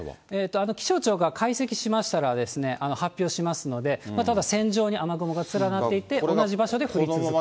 気象庁が解析しましたら、発表しますので、ただ、線状に雨雲が連なっていて、同じ場所で降り続くと。